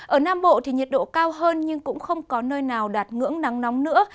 ở nam bộ thì nhiệt độ cao hơn nhưng cũng không có nơi nào đạt ngưỡng nắng nóng nữa